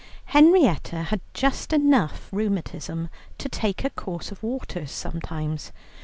Henrietta had just enough rheumatism to take a course of waters sometimes.